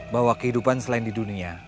bahwa kehidupan selain di dunia